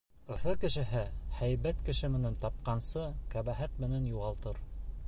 Өфө кешеһе, һәйбәт кеше менән тапҡансы, ҡәбәхәт менән юғалтыр.